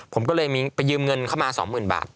ผมก็เลยไปยืมเงินเข้ามา๒๐๐๐บาท